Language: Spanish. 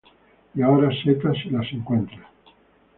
Y ahora setas si las encuentras.